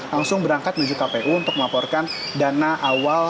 langsung berangkat menuju kpu untuk melaporkan dana awal